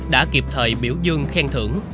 đã kịp thời biểu dương khen thưởng